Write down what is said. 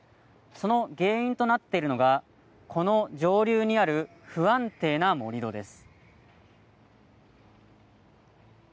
その原因となっているのがこの上流にある不安定な盛り土です